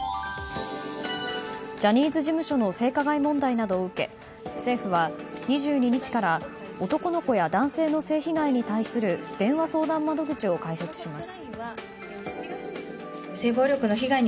ジャニーズ事務所の性加害問題などを受け政府は２２日から男の子や男性の性被害に対する電話相談窓口を開設します。